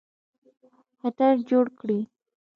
خطر جوړ کړي.